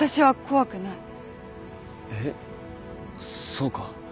そうか。